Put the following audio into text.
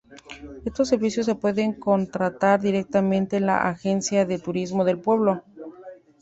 Estos servicios se pueden contratar directamente en la agencia de turismo del pueblo.